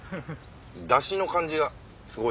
ダシの感じがすごい